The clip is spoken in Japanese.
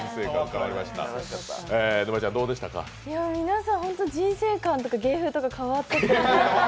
皆さん、本当に人生観とか芸風とか変わってて。